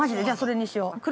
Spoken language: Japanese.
じゃあ、それにしよう。